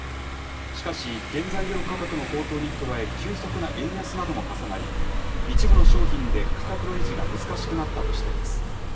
しかし、原材料価格の高騰に加え、急速な円安なども重なり、一部の商品で価格の維持が難しくなったとしています。